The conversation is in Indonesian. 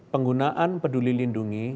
bagaimana penduli lindungi